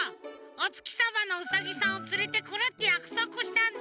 おつきさまのウサギさんをつれてくるってやくそくしたんだ。